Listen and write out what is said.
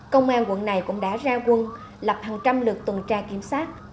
công an quận này cũng đã ra quân lập hàng trăm lượt tuần tra kiểm soát